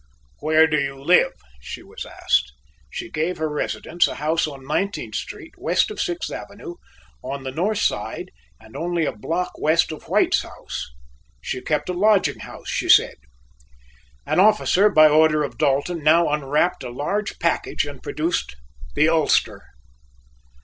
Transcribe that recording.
"Where do you live?" she was asked. She gave her residence a house on Nineteenth Street, west of Sixth Avenue, on the north side and only a block west of White's house. She kept a lodging house, she said. An officer, by order of Dalton, now unwrapped a large package and produced the ulster.